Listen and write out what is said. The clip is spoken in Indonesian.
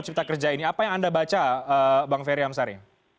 cipta kerja ini apa yang anda baca bang ferry amsari